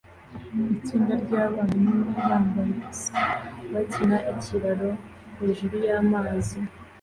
itsinda ryabana ahanini bambaye ubusa bakina ikiraro hejuru yamazi